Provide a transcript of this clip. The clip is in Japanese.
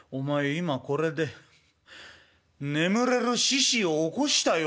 今これで眠れる獅子を起こしたよ